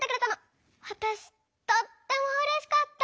わたしとってもうれしかった。